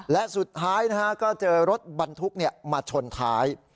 และสุดท้ายนะฮะก็เจอรถบันทุกข์เนี่ยมาชนท้าย